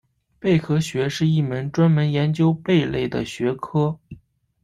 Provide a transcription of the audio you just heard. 贝类学是一门专门研究贝类的学科。